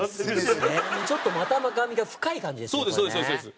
ちょっと股上が深い感じです